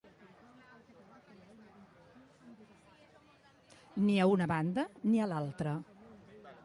Ni a una banda ni a l'altra.